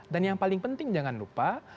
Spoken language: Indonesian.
dan yang paling penting jangan lupa